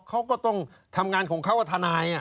เขาก็ต้องทำงานของเขากับทนาย